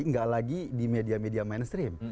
nggak lagi di media media mainstream